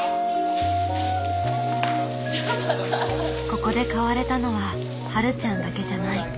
ここで変われたのははるちゃんだけじゃない。